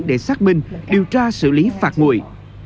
để xác minh điều tra xử lý phạt nguội